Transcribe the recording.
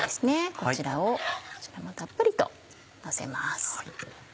こちらもたっぷりとのせます。